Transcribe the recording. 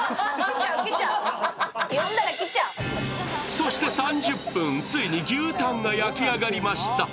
そして３０分、ついに牛たんが焼き上がりました。